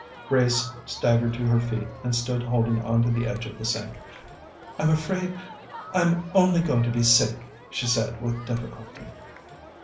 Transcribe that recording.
Grace staggered to her feet, and stood holding on to the edge of the sink. "I'm afraid I'm only going to be sick," she said with difficulty.